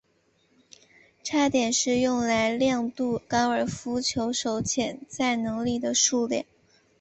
差点是用来量度高尔夫球手潜在能力的数值。